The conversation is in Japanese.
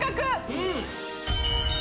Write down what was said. うん！